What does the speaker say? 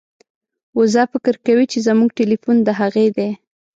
وزه فکر کوي چې زموږ ټیلیفون د هغې دی.